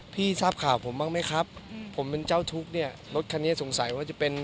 ทราบข่าวผมบ้างไหมครับผมเป็นเจ้าทุกข์เนี่ยรถคันนี้สงสัยว่าจะเป็น